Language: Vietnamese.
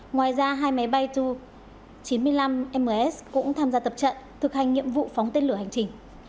ngoài ra hai máy bay to chín mươi năm ms cũng tham gia tập trận thực hành nhiệm vụ phóng tên lửa hành trình